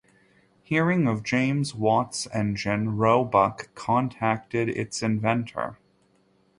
Hearing of James Watt's engine, Roebuck contacted its inventor.